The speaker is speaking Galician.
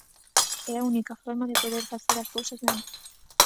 É a única forma de poder facer as cousas ben.